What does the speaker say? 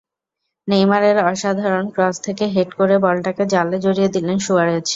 নেইমারের অসাধারণ ক্রস থেকে হেড করে বলটাকে জালে জড়িয়ে দিলেন সুয়ারেজ।